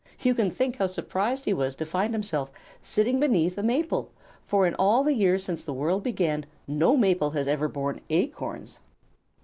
You can think how surprised he was to find himself sitting beneath a maple, for in all the years since the world began no maple has ever borne acorns.